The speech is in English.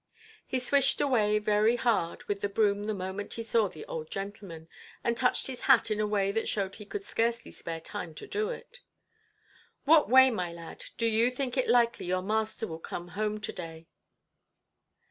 He swished away very hard with the broom the moment he saw the old gentleman, and touched his hat in a way that showed he could scarcely spare time to do it. "What way, my lad, do you think it likely your master will come home to–day"?